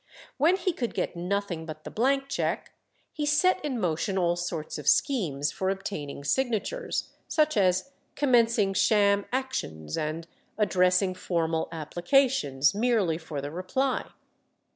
When he could get nothing but the blank cheque, he set in motion all sorts of schemes for obtaining signatures, such as commencing sham actions, and addressing formal applications, merely for the reply.